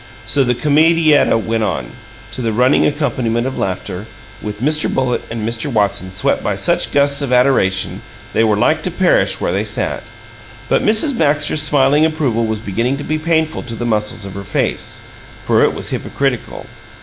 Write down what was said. So the comedietta went on, to the running accompaniment of laughter, with Mr. Bullitt and Mr. Watson swept by such gusts of adoration they were like to perish where they sat. But Mrs. Baxter's smiling approval was beginning to be painful to the muscles of her face, for it was hypocritical.